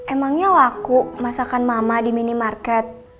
emangnya laku masakan mama di minimarket